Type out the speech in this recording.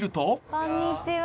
こんにちは。